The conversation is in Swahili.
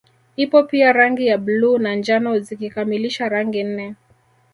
Ipo pia rangi ya bluu na njano zikikamilisha rangi nne